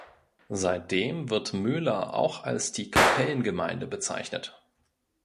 Seitdem wird Möhler auch als die „Kapellengemeinde“ bezeichnet.